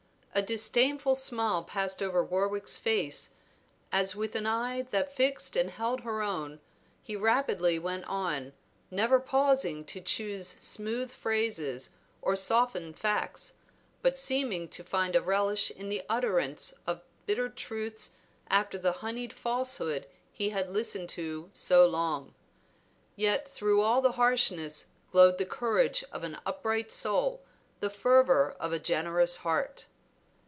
A disdainful smile passed over Warwick's face, as with an eye that fixed and held her own, he rapidly went on, never pausing to choose smooth phrases or soften facts, but seeming to find a relish in the utterance of bitter truths after the honeyed falsehood he had listened to so long. Yet through all the harshness glowed the courage of an upright soul, the fervor of a generous heart.